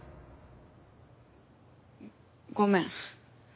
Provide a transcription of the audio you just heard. ごめん。